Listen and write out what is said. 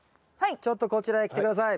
ちょっとこちらへ来て下さい。